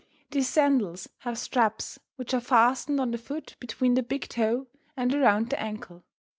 These sandals have straps, which are fastened on the foot between the big toe and around the ankle.